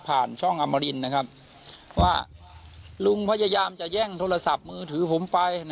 ช่องอมรินนะครับว่าลุงพยายามจะแย่งโทรศัพท์มือถือผมไป